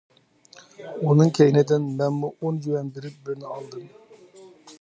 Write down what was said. ئۇنىڭ كەينىدىن مەنمۇ ئون يۈەن بېرىپ بىرنى ئالدىم.